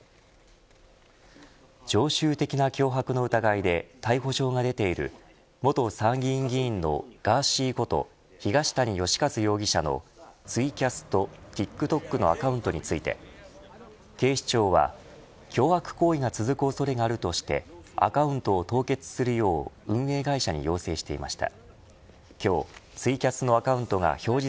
常習的な脅迫の疑いで逮捕状が出ている元参議院議員のガーシーこと東谷義和容疑者のツイキャスとＴｉｋＴｏｋのアカウントについて警視庁は脅迫行為が続く恐れがあるとしてアカウントを凍結するよう運営会社に要請していました。